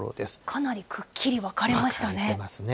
かなりくっきり分かれましたね。